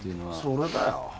それだよ。